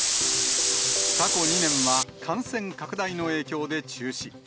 過去２年は、感染拡大の影響で中止。